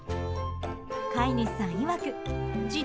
飼い主さんいわくじ